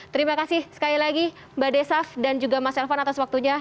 terima kasih sekali lagi mbak desaf dan juga mas elvan atas waktunya